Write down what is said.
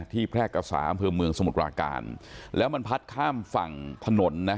แพร่กษาอำเภอเมืองสมุทรปราการแล้วมันพัดข้ามฝั่งถนนนะ